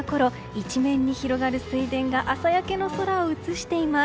一面に広がる水田が朝焼けの空を映しています。